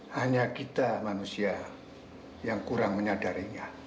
hanya kita manusia yang kurang menyadarinya